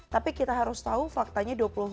tapi kita harus tahu faktanya